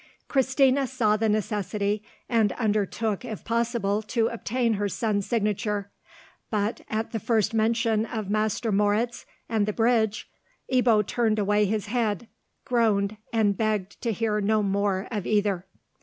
Christina saw the necessity, and undertook if possible to obtain her son's signature, but, at the first mention of Master Moritz and the bridge, Ebbo turned away his head, groaned, and begged to hear no more of either.